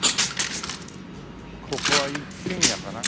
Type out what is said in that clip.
ここは一軒家かな？